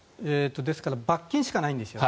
ですから罰金しかないんですよ